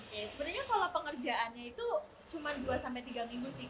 ya sebenarnya kalau pengerjaannya itu cuma dua sampai tiga minggu sih